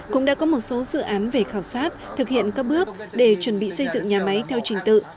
cũng đã có một số dự án về khảo sát thực hiện các bước để chuẩn bị xây dựng nhà máy theo trình tự